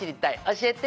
教えて」